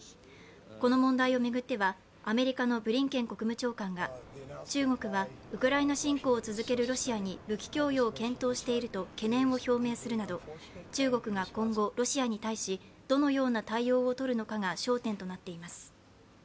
この問題を巡っては、アメリカのブリンケン国務長官が中国はウクライナ侵攻を続けるロシアに武器供与を検討していると懸念を表明するなど中国が今後、ロシアに対しどのような対応をとるのかが焦点となっています。